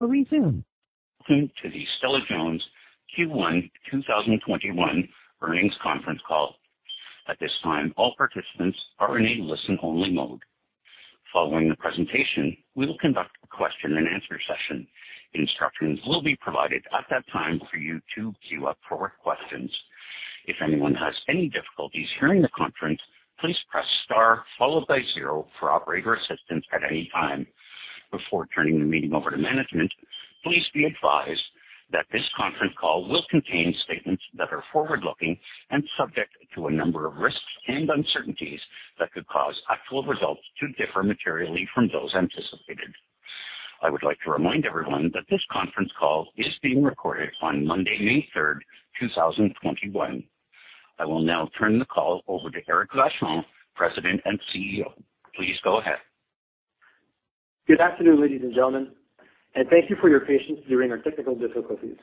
Welcome to the Stella-Jones Q1 2021 earnings conference call. At this time, all participants are in a listen-only mode. Following the presentation, we will conduct a question-and-answer session. Instructions will be provided at that time for you to queue up for questions. If anyone has any difficulties hearing the conference, please press star followed by zero for operator assistance at any time. Before turning the meeting over to management, please be advised that this conference call will contain statements that are forward-looking and subject to a number of risks and uncertainties that could cause actual results to differ materially from those anticipated. I would like to remind everyone that this conference call is being recorded on Monday, May 3rd, 2021. I will now turn the call over to Éric Vachon, President and CEO. Please go ahead. Good afternoon, ladies and gentlemen, and thank you for your patience during our technical difficulties.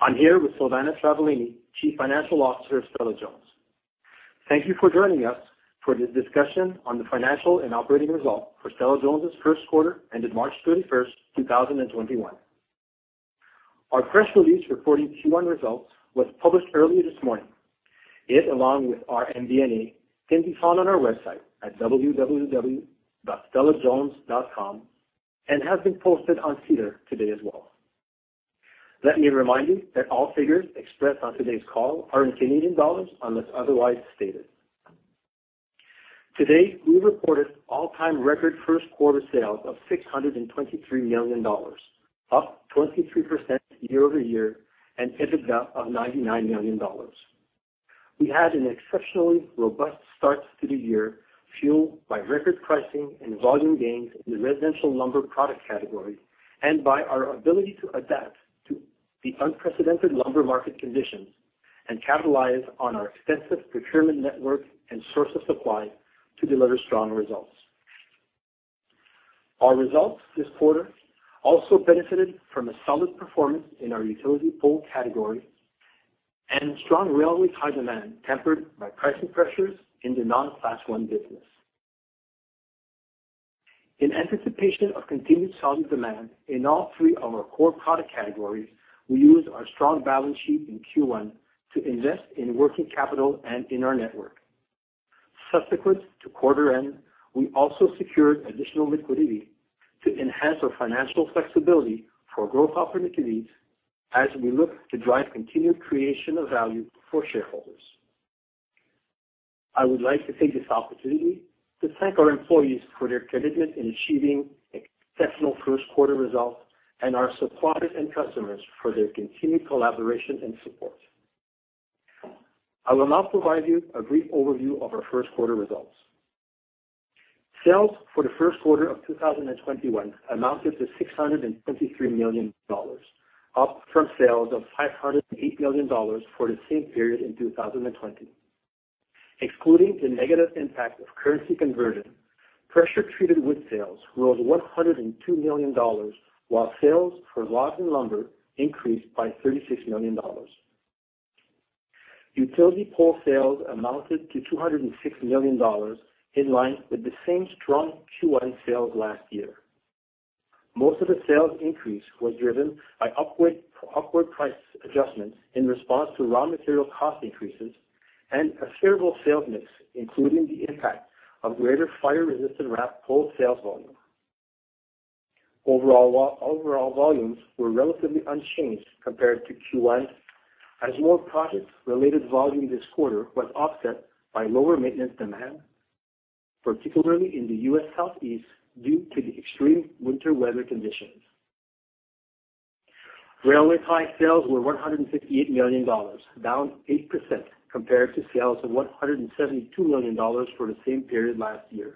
I'm here with Silvana Travaglini, Chief Financial Officer of Stella-Jones. Thank you for joining us for the discussion on the financial and operating results for Stella-Jones' first quarter ended March 31st, 2021. Our press release reporting Q1 results was published earlier this morning. It, along with our MD&A, can be found on our website at www.stellajones.com and has been posted on SEDAR today as well. Let me remind you that all figures expressed on today's call are in Canadian dollars unless otherwise stated. Today, we reported all-time record first quarter sales of 623 million dollars, up 23% year-over-year, and EBITDA of 99 million dollars. We had an exceptionally robust start to the year, fueled by record pricing and volume gains in the residential lumber product category and by our ability to adapt to the unprecedented lumber market conditions and capitalize on our extensive procurement network and source of supply to deliver strong results. Our results this quarter also benefited from a solid performance in our utility pole category and strong railway tie demand tempered by pricing pressures in the non-Class I business. In anticipation of continued solid demand in all three of our core product categories, we used our strong balance sheet in Q1 to invest in working capital and in our network. Subsequent to quarter end, we also secured additional liquidity to enhance our financial flexibility for growth opportunities as we look to drive continued creation of value for shareholders. I would like to take this opportunity to thank our employees for their commitment in achieving exceptional first quarter results and our suppliers and customers for their continued collaboration and support. I will now provide you a brief overview of our first quarter results. Sales for the first quarter of 2021 amounted to 623 million dollars, up from sales of 508 million dollars for the same period in 2020. Excluding the negative impact of currency conversion, pressure treated wood sales rose 102 million dollars while sales for logs and lumber increased by 36 million dollars. Utility pole sales amounted to 206 million dollars, in line with the same strong Q1 sales last year. Most of the sales increase was driven by upward price adjustments in response to raw material cost increases and a favorable sales mix, including the impact of greater fire-resistant wrap pole sales volume. Overall volumes were relatively unchanged compared to Q1, as lower project-related volume this quarter was offset by lower maintenance demand, particularly in the U.S. Southeast, due to the extreme winter weather conditions. Railway tie sales were 158 million dollars, down 8% compared to sales of 172 million dollars for the same period last year.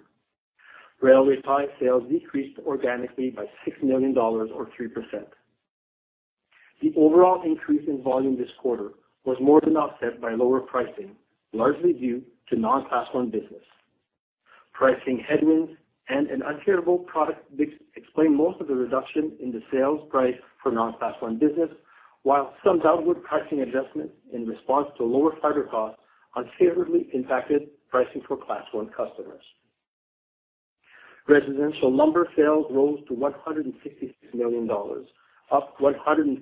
Railway tie sales decreased organically by 6 million dollars or 3%. The overall increase in volume this quarter was more than offset by lower pricing, largely due to non-Class I business. Pricing headwinds and an unfavorable product mix explain most of the reduction in the sales price for non-Class I business, while some outward pricing adjustments in response to lower fiber costs unfavorably impacted pricing for Class I customers. Residential lumber sales rose to 166 million dollars, up 134%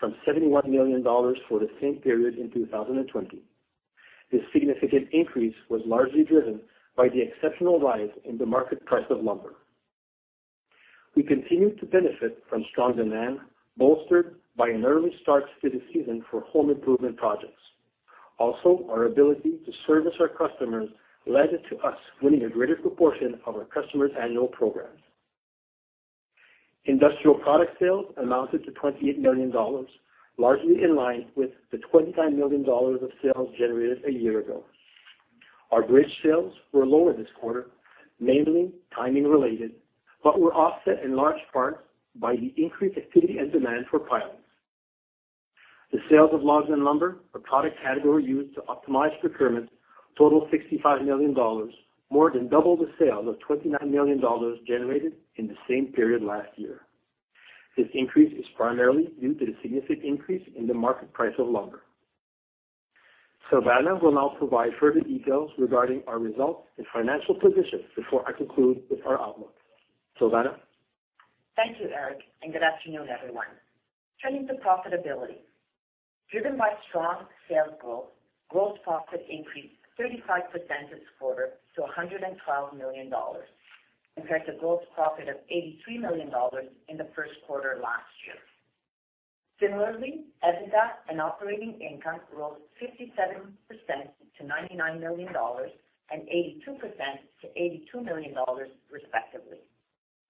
from 71 million dollars for the same period in 2020. This significant increase was largely driven by the exceptional rise in the market price of lumber. We continued to benefit from strong demand, bolstered by an early start to the season for home improvement projects. Our ability to service our customers led to us winning a greater proportion of our customers' annual programs. Industrial product sales amounted to 28 million dollars, largely in line with the 29 million dollars of sales generated a year ago. Our bridge sales were lower this quarter, mainly timing related, but were offset in large part by the increased activity and demand for pilings. The sales of logs and lumber, a product category used to optimize procurement, totaled 65 million dollars, more than double the sales of 29 million dollars generated in the same period last year. This increase is primarily due to the significant increase in the market price of lumber. Silvana will now provide further details regarding our results and financial position before I conclude with our outlook. Silvana? Thank you, Éric, and good afternoon, everyone. Turning to profitability. Driven by strong sales growth, gross profit increased 35% this quarter to 112 million dollars, compared to gross profit of 83 million dollars in the first quarter last year. Similarly, EBITDA and operating income rose 57% to 99 million dollars and 82% to 82 million dollars respectively.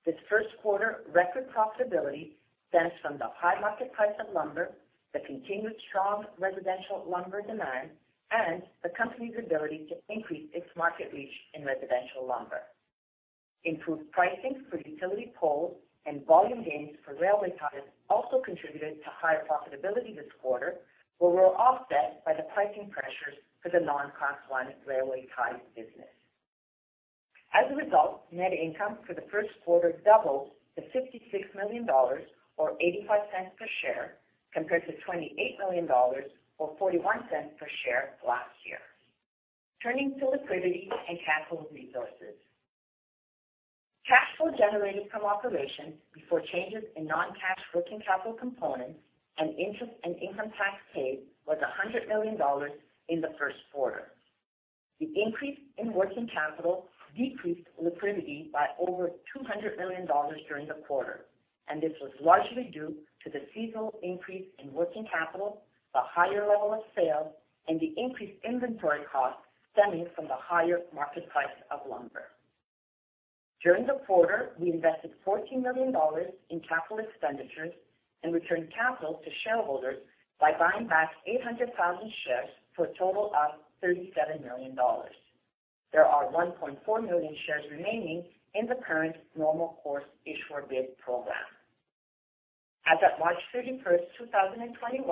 This first quarter record profitability stems from the high market price of lumber, the continued strong residential lumber demand, and the company's ability to increase its market reach in residential lumber. Improved pricing for utility poles and volume gains for railway ties also contributed to higher profitability this quarter but were offset by the pricing pressures for the non-Class I railway ties business. As a result, net income for the first quarter doubled to 56 million dollars, or 0.85 per share, compared to 28 million dollars or 0.41 per share last year. Turning to liquidity and cash flow resources. Cash flow generated from operations before changes in non-cash working capital components and interest and income tax paid was 100 million dollars in the first quarter. The increase in working capital decreased liquidity by over 200 million dollars during the quarter, and this was largely due to the seasonal increase in working capital, the higher level of sales, and the increased inventory costs stemming from the higher market price of lumber. During the quarter, we invested 14 million dollars in capital expenditures and returned capital to shareholders by buying back 800,000 shares for a total of 37 million dollars. There are 1.4 million shares remaining in the current normal course issuer bid program. As of March 31st, 2021,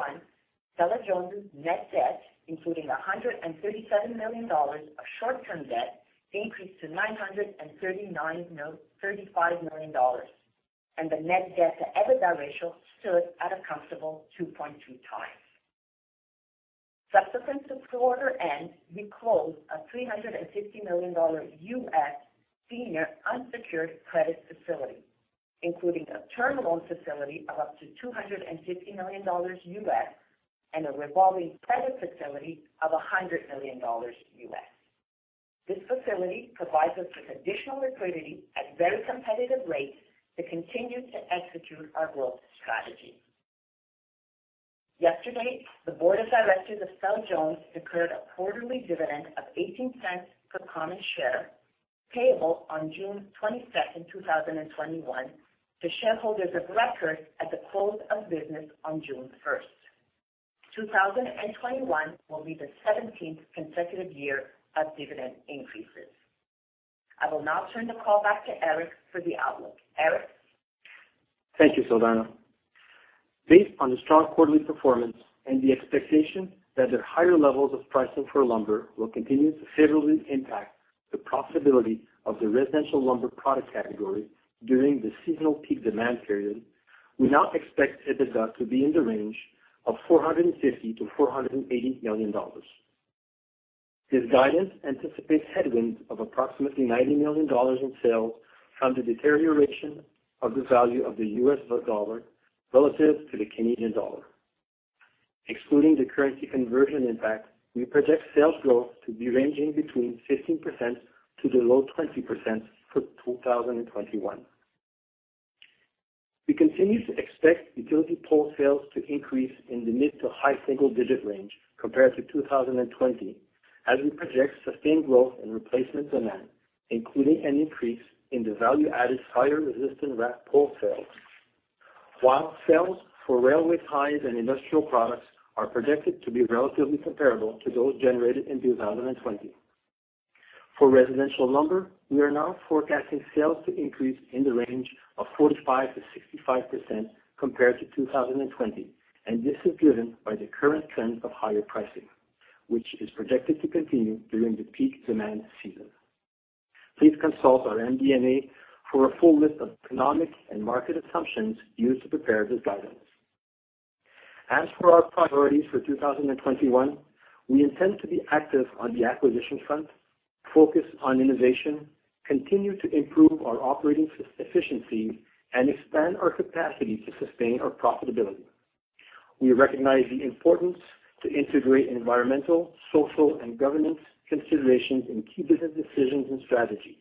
Stella-Jones' net debt, including 137 million dollars of short-term debt, increased to 935 million dollars, and the net debt-to-EBITDA ratio stood at a comfortable 2.2 times. Subsequent to quarter end, we closed a $350 million U.S. senior unsecured credit facility, including a term loan facility of up to $250 million U.S. and a revolving credit facility of $100 million U.S. This facility provides us with additional liquidity at very competitive rates to continue to execute our growth strategy. Yesterday, the board of directors of Stella-Jones declared a quarterly dividend of 0.18 per common share, payable on June 22nd, 2021, to shareholders of record at the close of business on June 1st, 2021. 2021 will be the 17th consecutive year of dividend increases. I will now turn the call back to Éric for the outlook. Éric? Thank you, Silvana. Based on the strong quarterly performance and the expectation that the higher levels of pricing for lumber will continue to favorably impact the profitability of the residential lumber product category during the seasonal peak demand period, we now expect EBITDA to be in the range of 450 million-480 million dollars. This guidance anticipates headwinds of approximately 90 million dollars in sales from the deterioration of the value of the U.S. dollar relative to the Canadian dollar. Excluding the currency conversion impact, we project sales growth to be ranging between 15%-low 20% for 2021. We continue to expect utility pole sales to increase in the mid-to-high single-digit range compared to 2020, as we project sustained growth in replacement demand, including an increase in the value-added fire-resistant wrap pole sales. While sales for railway ties and industrial products are projected to be relatively comparable to those generated in 2020. For residential lumber, we are now forecasting sales to increase in the range of 45%-65% compared to 2020, and this is driven by the current trend of higher pricing, which is projected to continue during the peak demand season. Please consult our MD&A for a full list of economic and market assumptions used to prepare this guidance. As for our priorities for 2021, we intend to be active on the acquisition front, focus on innovation, continue to improve our operating efficiency, and expand our capacity to sustain our profitability. We recognize the importance to integrate environmental, social, and governance considerations in key business decisions and strategies.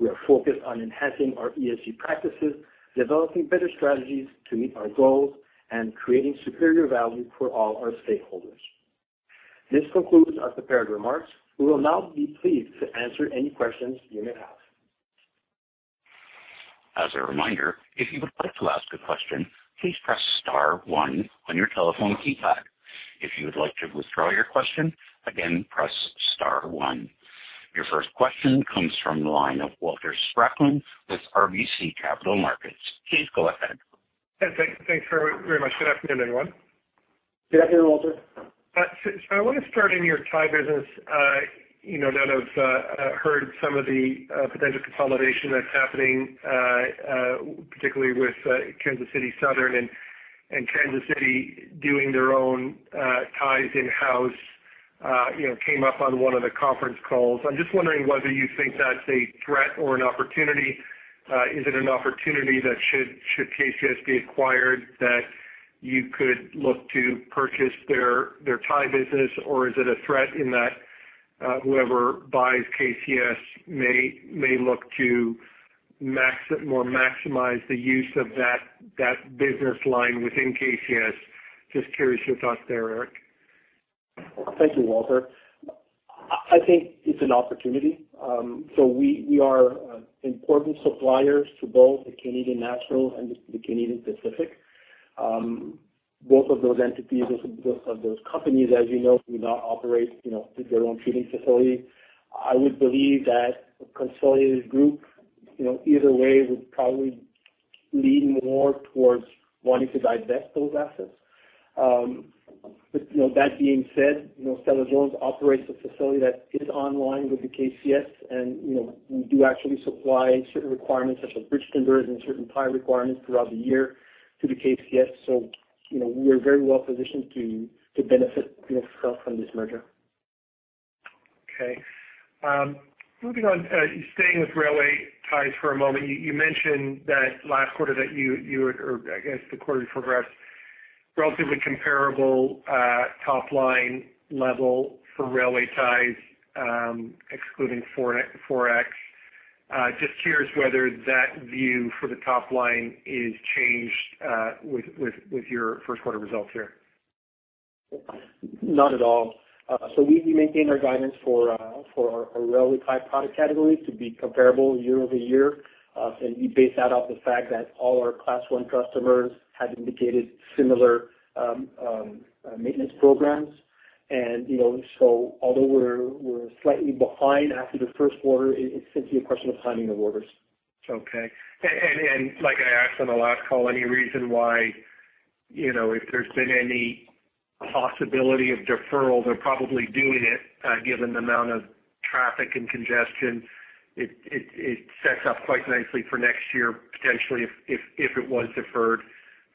We are focused on enhancing our ESG practices, developing better strategies to meet our goals, and creating superior value for all our stakeholders. This concludes our prepared remarks. We will now be pleased to answer any questions you may have. As a reminder, if you would like to ask a question, please press star one on your telephone keypad. If you would like to withdraw your question, again, press star one. Your first question comes from the line of Walter Spracklin with RBC Capital Markets. Please go ahead. Hey, thanks very much. Good afternoon, everyone. Good afternoon, Walter. I want to start in your tie business. Heard some of the potential consolidation that's happening, particularly with Kansas City Southern and Kansas City doing their own ties in-house. Came up on one of the conference calls. I'm just wondering whether you think that's a threat or an opportunity. Is it an opportunity that should KCS be acquired, that you could look to purchase their tie business, or is it a threat in that whoever buys KCS may look to maximize the use of that business line within KCS? Just curious your thoughts there, Éric. Thank you, Walter. We are important suppliers to both the Canadian National and the Canadian Pacific. Both of those entities or both of those companies, as you know, do not operate their own treating facility. I would believe that a consolidated group, either way, would probably lean more towards wanting to divest those assets. That being said, Stella-Jones operates a facility that is online with the KCS, and we do actually supply certain requirements such as bridge timbers and certain tie requirements throughout the year to the KCS. We are very well positioned to benefit ourselves from this merger. Okay. Moving on, staying with railway ties for a moment, you mentioned that last quarter that you, or I guess the quarter before that, relatively comparable top-line level for railway ties, excluding forex. Just curious whether that view for the top line is changed with your first quarter results here. Not at all. We maintain our guidance for our railway tie product category to be comparable year-over-year. We base that off the fact that all our Class I customers have indicated similar maintenance programs. Although we're slightly behind after the first quarter, it's simply a question of timing of orders. Okay. Like I asked on the last call, any reason why, if there has been any possibility of deferral, they are probably doing it given the amount of traffic and congestion, it sets up quite nicely for next year, potentially if it was deferred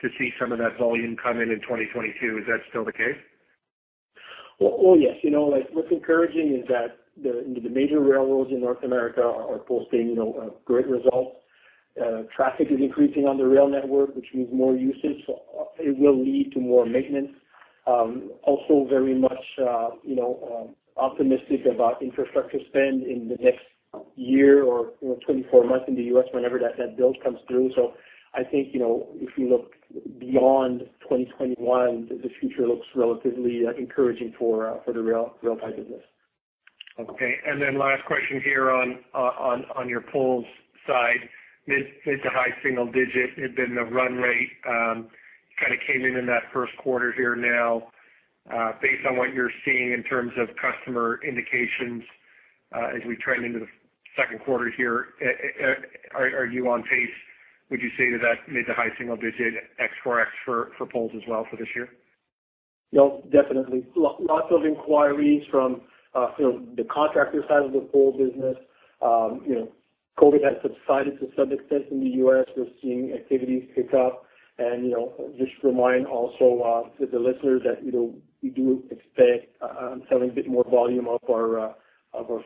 to see some of that volume come in in 2022. Is that still the case? Well, yes. What's encouraging is that the major railroads in North America are posting great results. Traffic is increasing on the rail network, which means more usage, so it will lead to more maintenance. Very much optimistic about infrastructure spend in the next year or 24 months in the U.S. whenever that build comes through. I think, if you look beyond 2021, the future looks relatively encouraging for the rail tie business. Okay, last question here on your poles side, mid to high single-digit had been the run rate. Kind of came in in that first quarter here now. Based on what you're seeing in terms of customer indications as we trend into the second quarter here, are you on pace? Would you say to that mid to high single-digit ex forex for poles as well for this year? Yeah, definitely. Lots of inquiries from the contractor side of the pole business. COVID has subsided to some extent in the U.S. We're seeing activities pick up. Just remind also to the listeners that we do expect selling a bit more volume of our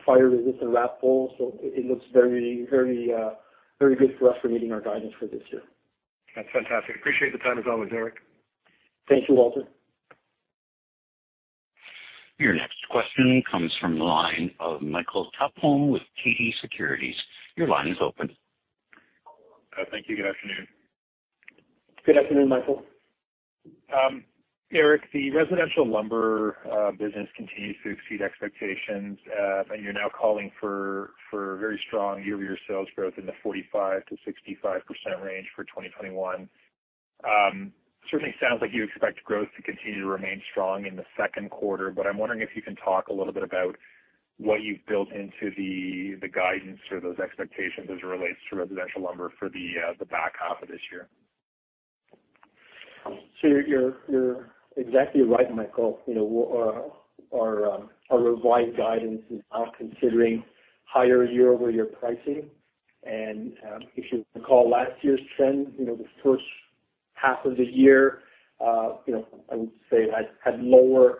fire-resistant wrap poles. It looks very good for us for meeting our guidance for this year. That's fantastic. Appreciate the time as always, Éric. Thank you, Walter. Your next question comes from the line of Michael Tupholme with TD Securities. Your line is open. Thank you. Good afternoon. Good afternoon, Michael. Éric, the residential lumber business continues to exceed expectations. You're now calling for very strong year-over-year sales growth in the 45%-65% range for 2021. Certainly sounds like you expect growth to continue to remain strong in the second quarter, I'm wondering if you can talk a little bit about what you've built into the guidance or those expectations as it relates to residential lumber for the back half of this year. You're exactly right, Michael. Our revised guidance is now considering higher year-over-year pricing. If you recall last year's trend, the first half of the year I would say had lower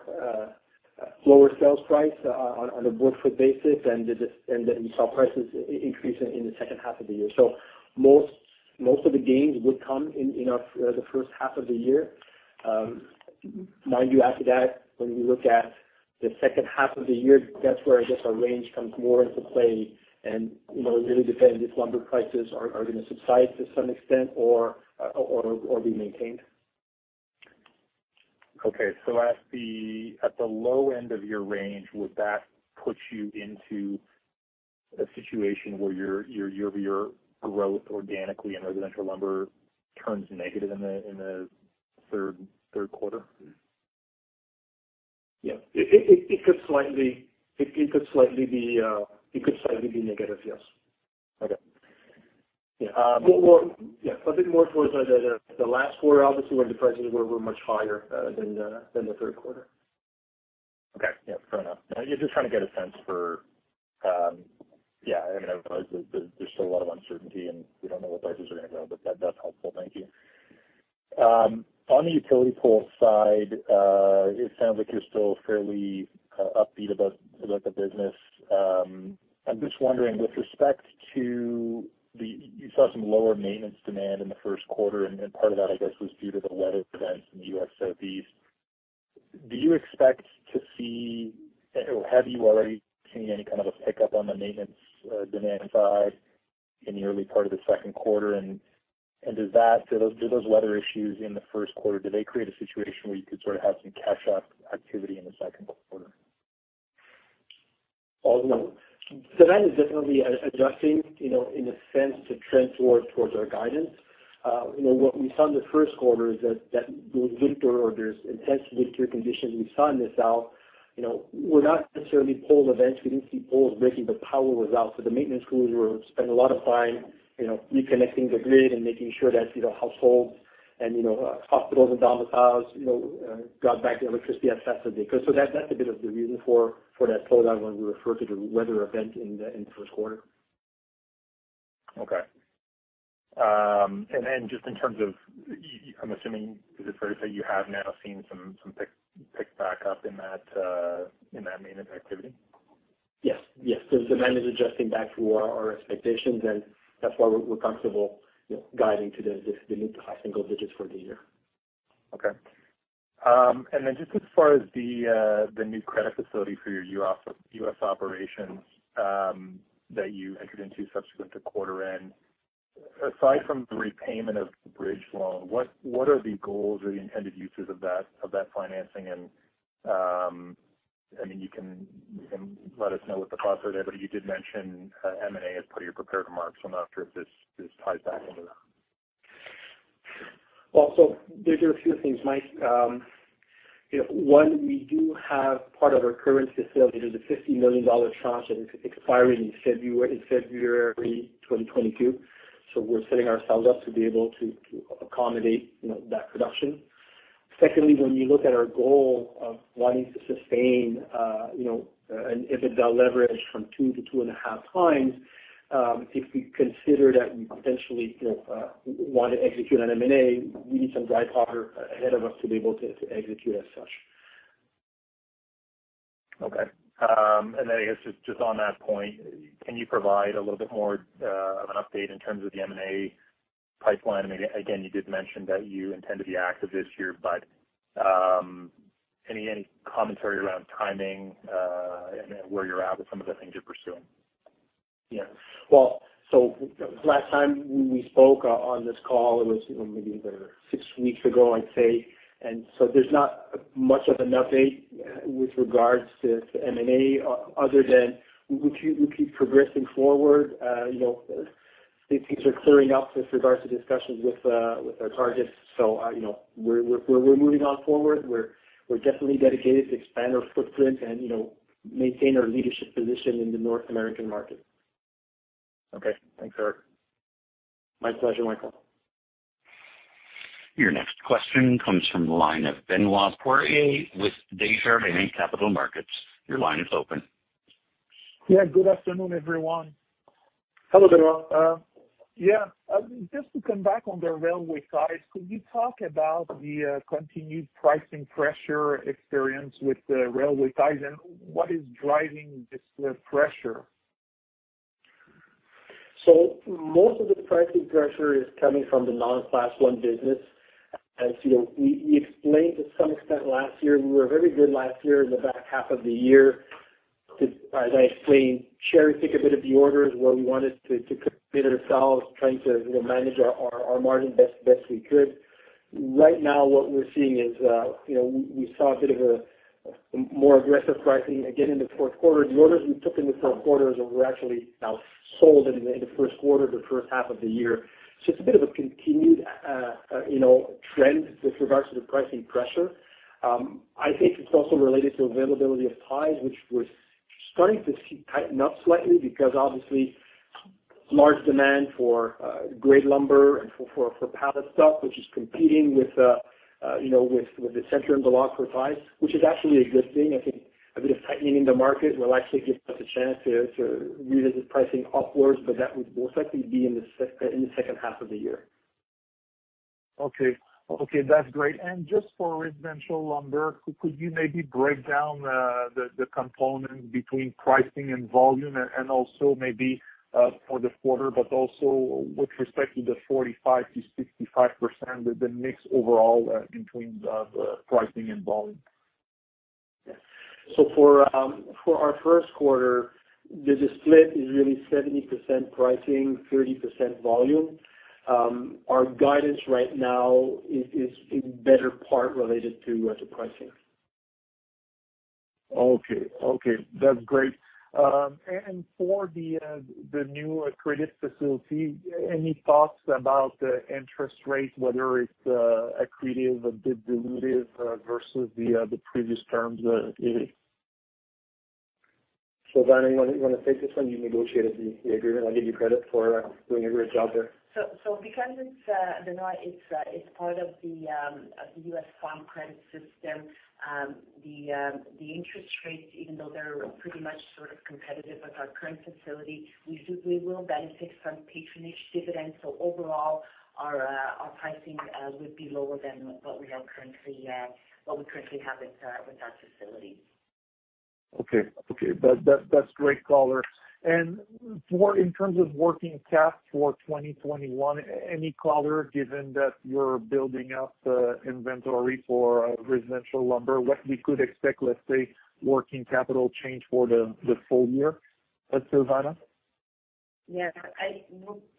sales price on a book foot basis and we saw prices increase in the second half of the year. Most of the gains would come in the first half of the year. Mind you, after that, when we look at the second half of the year, that's where I guess our range comes more into play and really depends if lumber prices are going to subside to some extent or be maintained. Okay, at the low end of your range, would that put you into a situation where your year-over-year growth organically in residential lumber turns negative in the third quarter? Yeah. It could slightly be negative, yes. Okay. Yeah. Well, yeah, a bit more towards the last quarter, obviously, where the prices were much higher than the third quarter. Okay. Yeah, fair enough. Just trying to get a sense for, I realize there's still a lot of uncertainty, and we don't know where prices are going to go, but that's helpful. Thank you. On the utility pole side, it sounds like you're still fairly upbeat about the business. I'm just wondering, with respect to the, you saw some lower maintenance demand in the first quarter, and part of that, I guess, was due to the weather events in the U.S. Southeast. Do you expect to see, or have you already seen any kind of a pickup on the maintenance demand side in the early part of the second quarter? Did those weather issues in the first quarter, did they create a situation where you could sort of have some catch-up activity in the second quarter? Well, demand is definitely adjusting in a sense to trend towards our guidance. What we saw in the first quarter is that those winter orders, intense winter conditions we saw in the South, were not necessarily pole events. We didn't see poles breaking. Power was out. The maintenance crews would spend a lot of time reconnecting the grid and making sure that households and hospitals and domiciles got back their electricity as fast as they could. That's a bit of the reason for that slowdown when we refer to the weather event in the first quarter. Okay. Just in terms of, I'm assuming, is it fair to say you have now seen some pick back up in that maintenance activity? Yes. Demand is adjusting back to our expectations, and that's why we're comfortable guiding to the mid to high single digits for the year. Okay. Just as far as the new credit facility for your U.S. operations that you entered into subsequent to quarter end, aside from the repayment of the bridge loan, what are the goals or the intended uses of that financing? You can let us know what the costs are there, but you did mention M&A as part of your prepared remarks. I'm not sure if this ties back into that. There's a few things, Mike. One, we do have part of our current facility. There's a 50 million dollar tranche that is expiring in February 2022. We're setting ourselves up to be able to accommodate that reduction. Secondly, when we look at our goal of wanting to sustain an EBITDA leverage from two to 2.5 times, if we consider that we potentially want to execute on M&A, we need some dry powder ahead of us to be able to execute as such. Okay. I guess just on that point, can you provide a little bit more of an update in terms of the M&A pipeline? You did mention that you intend to be active this year, but any commentary around timing and where you're at with some of the things you're pursuing? Yeah. Well, last time we spoke on this call, it was maybe six weeks ago, I'd say. There's not much of an update with regards to M&A other than we keep progressing forward. Things are clearing up with regards to discussions with our targets. We're moving on forward. We're definitely dedicated to expand our footprint and maintain our leadership position in the North American market. Okay. Thanks, Éric. My pleasure, Michael. Your next question comes from the line of Benoit Poirier with Desjardins Capital Markets. Your line is open. Yeah. Good afternoon, everyone. Hello, Benoit. Yeah. Just to come back on the railway side, could you talk about the continued pricing pressure experience with the railway ties, and what is driving this pressure? Most of the pricing pressure is coming from the non-Class I business. As you know, we explained to some extent last year, we were very good last year in the back half of the year. As I explained, cherry-pick a bit of the orders where we wanted to compete ourselves, trying to manage our margin best we could. Right now, what we're seeing is we saw a bit of a more aggressive pricing again in the fourth quarter. The orders we took in the fourth quarter were actually sold in the first quarter, the first half of the year. It's a bit of a continued trend with regards to the pricing pressure. I think it's also related to availability of ties, which we're starting to see tighten up slightly because obviously large demand for grade lumber and for pallet stock, which is competing with the center and block for ties, which is actually a good thing. I think a bit of tightening in the market will actually give us a chance to revisit pricing upwards, but that would most likely be in the second half of the year. Okay. That's great. Just for residential lumber, could you maybe break down the component between pricing and volume and also maybe for the quarter, but also with respect to the 45%-65% the mix overall between the pricing and volume? For our first quarter, the split is really 70% pricing, 30% volume. Our guidance right now is in better part related to the pricing. Okay. That's great. For the new credit facility, any thoughts about the interest rate, whether it's accretive or dilutive versus the previous terms really? Silvana, you want to take this one? You negotiated the agreement. I'll give you credit for doing a great job there. Because, Benoit, it's part of the U.S. Farm Credit System, the interest rates, even though they're pretty much sort of competitive with our current facility, we will benefit from patronage dividends. Overall, our pricing would be lower than what we currently have with that facility. Okay. That's great color. In terms of working cap for 2021, any color, given that you're building up the inventory for residential lumber? What we could expect, let's say, working capital change for the full year at Silvana? Yeah.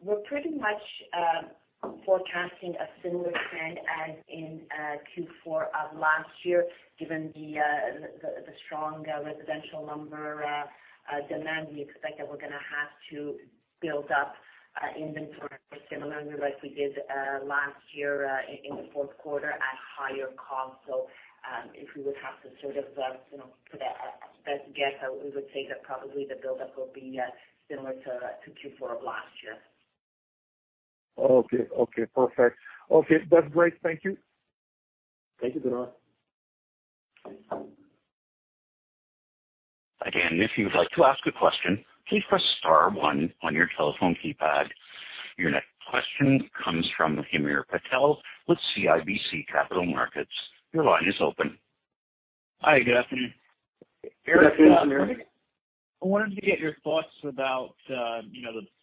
We're pretty much forecasting a similar trend as in Q4 of last year, given the strong residential lumber demand. We expect that we're going to have to build up inventory similarly like we did last year in the fourth quarter at higher cost. If we would have to sort of put a best guess, we would say that probably the buildup will be similar to Q4 of last year. Okay. Perfect. Okay, that's great. Thank you. Thank you, Benoit Poirier. Again if you would like to ask a question please press star one on your telephone keypad. Your next question comes from Hamir Patel with CIBC Capital Markets. Your line is open. Hi, good afternoon. Good afternoon, Hamir. I wanted to get your thoughts about the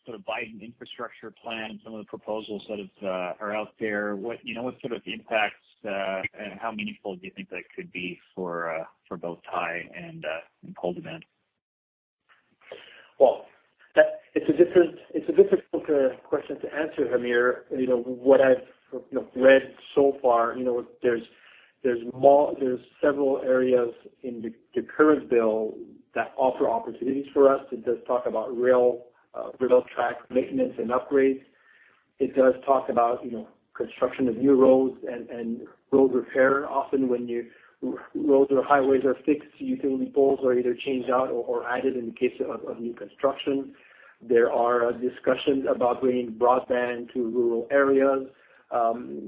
sort of Biden Infrastructure Plan, some of the proposals that are out there. What sort of impacts and how meaningful do you think that could be for both tie and pole demand? Well, it's a difficult question to answer, Hamir. What I've read so far, there's several areas in the current bill that offer opportunities for us. It does talk about rail track maintenance and upgrades. It does talk about construction of new roads and road repair. Often when roads or highways are fixed, utility poles are either changed out or added in case of new construction. There are discussions about bringing broadband to rural areas.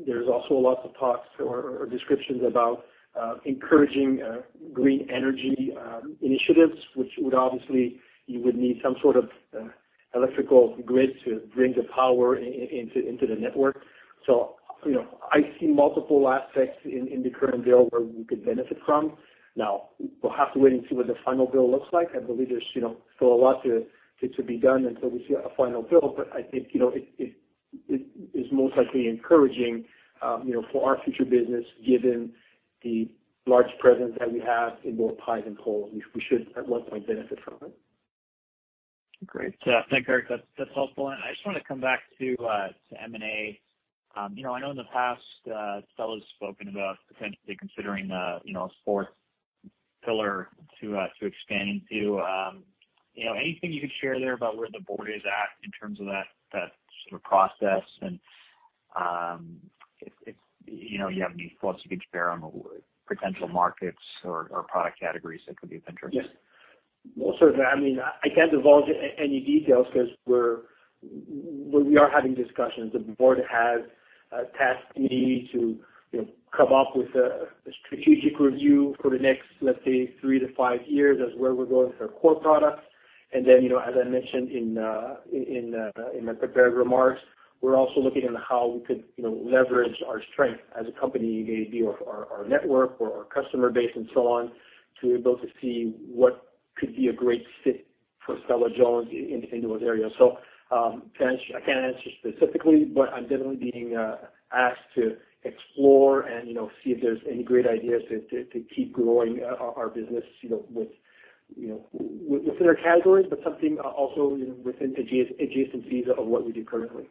There's also lots of talks or descriptions about encouraging green energy initiatives, which would obviously, you would need some sort of electrical grid to bring the power into the network. I see multiple aspects in the current bill where we could benefit from. Now, we'll have to wait and see what the final bill looks like. I believe there's still a lot to be done until we see a final bill. I think it is most likely encouraging for our future business, given the large presence that we have in both ties and poles. We should at one point benefit from it. Great. Thanks, Éric. That's helpful. I just want to come back to M&A. I know in the past, Stella's spoken about potentially considering a fourth pillar to expanding to. Anything you could share there about where the board is at in terms of that sort of process and if you have any thoughts you could share on potential markets or product categories that could be of interest? Yes. Well, certainly. I can't divulge any details because we are having discussions. The board has a task committee to come up with a strategic review for the next, let's say, three to five years, as where we're going for core products. As I mentioned in my prepared remarks, we're also looking into how we could leverage our strength as a company, be it our network or our customer base and so on, to be able to see what could be a great fit for Stella-Jones into those areas. I can't answer specifically, but I'm definitely being asked to explore and see if there's any great ideas to keep growing our business within our categories, but something also within adjacencies of what we do currently.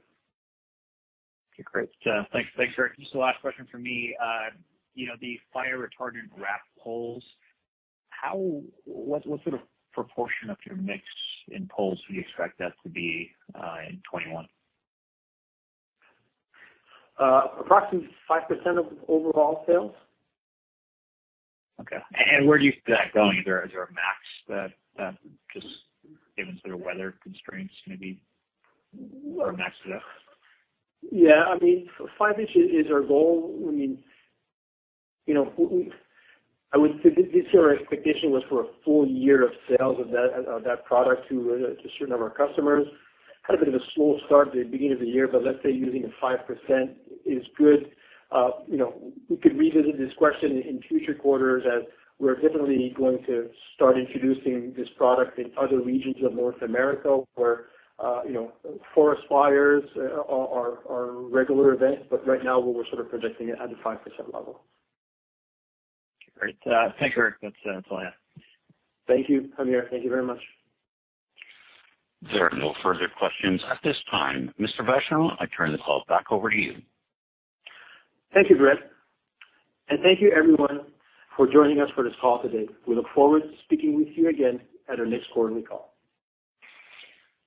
Okay, great. Thanks, Éric. Just the last question from me. The fire-retardant wrapped poles, what sort of proportion of your mix in poles do you expect that to be in 2021? Approximately 5% of overall sales. Okay. Where do you see that going? Is there a max that just given sort of weather constraints maybe or a max to that? Yeah, 5% is our goal. This year, our expectation was for a full year of sales of that product to a certain number of customers. Had a bit of a slow start at the beginning of the year, but let's say using the 5% is good. We could revisit this question in future quarters as we're definitely going to start introducing this product in other regions of North America where forest fires are regular events. Right now, we're sort of projecting it at the 5% level. Great. Thanks, Éric. That's all I have. Thank you, Hamir. Thank you very much. There are no further questions at this time. Mr. Vachon, I turn the call back over to you. Thank you, Brett, and thank you everyone for joining us for this call today. We look forward to speaking with you again at our next quarterly call.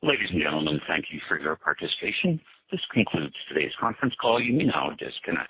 Ladies and gentlemen, thank you for your participation. This concludes today's conference call. You may now disconnect.